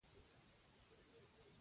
سلطان هم بې زړه سړی و.